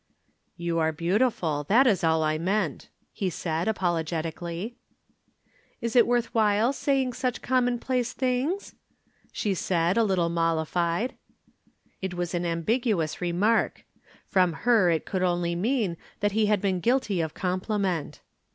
"You are beautiful, that is all I meant," he said apologetically. "Is it worth while saying such commonplace things?" she said a little mollified. It was an ambiguous remark. From her it could only mean that he had been guilty of compliment.